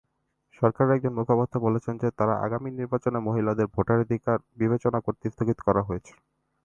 সরকারের একজন মুখপাত্র বলেছেন যে, তারা আগামী নির্বাচনে মহিলাদের ভোটাধিকার বিবেচনা করতে স্থগিত করা হয়েছে।